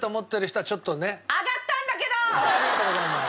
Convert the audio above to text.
ありがとうございます。